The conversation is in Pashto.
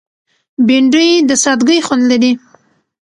بېنډۍ د سادګۍ خوند لري